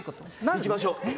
いきましょう